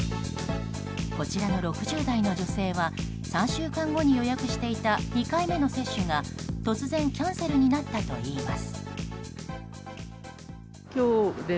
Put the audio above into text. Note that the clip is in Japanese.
こちらの６０代の女性は３週間後に予約していた２回目の接種が突然キャンセルになったといいます。